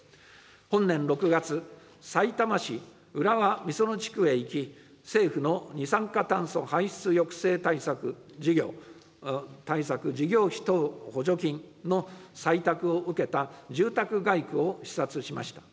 本年６月、さいたま市浦和美園地区へ行き、政府の二酸化炭素排出抑制対策事業費等補助金の採択を受けた住宅街区を視察しました。